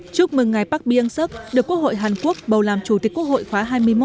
chúc mừng ngày bác biêng sắc được quốc hội hàn quốc bầu làm chủ tịch quốc hội khóa hai mươi một